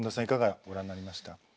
いかがご覧になりました。